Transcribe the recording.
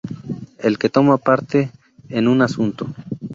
El que toma parte en un asunto.